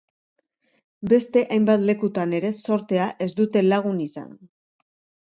Beste hainbat lekutan ere zortea ez dute lagun izan.